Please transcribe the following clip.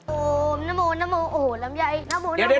โอ้โหน้ำโมน้ำโมโอ้โหลำไย